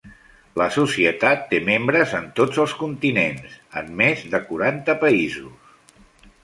La Societat té membres en tots els continents, en més de quaranta països.